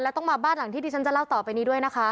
แล้วต้องมาบ้านหลังที่ที่ฉันจะเล่าต่อไปนี้ด้วยนะคะ